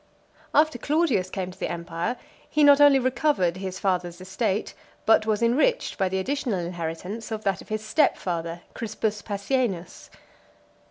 After Claudius came to the empire, he not only recovered his father's estate, but was enriched with the additional inheritance of that of his step father, Crispus Passienus.